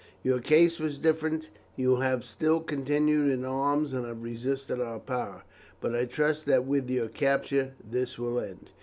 Your case was different, you have still continued in arms and have resisted our power, but I trust that with your capture this will end.